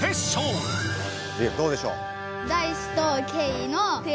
リラどうでしょう？